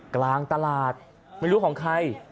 กลางตลาดไม่รู้ของใคร